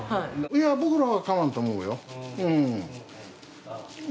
いや、僕らは構わんと思うよ。